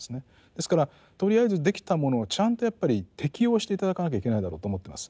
ですからとりあえずできたものをちゃんとやっぱり適用して頂かなきゃいけないだろうと思ってます。